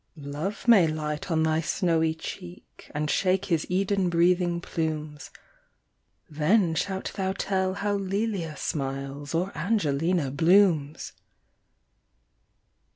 Love may light on thy snowy cheek, And shake his Eden breathing plumes; Then shalt thou tell how Lelia smiles, Or Angelina blooms.